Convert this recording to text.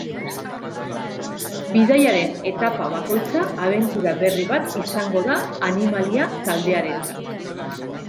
Bidaiaren etapa bakoitza abentura berri bat izango da animalia-taldearentzat.